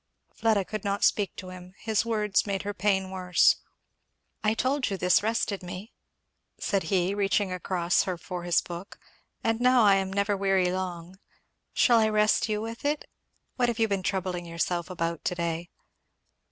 Fleda could not speak to him; his words made her pain worse. "I told you this rested me," said he reaching across her for his book; "and now I am never weary long. Shall I rest you with it? What have you been troubling yourself about to day?"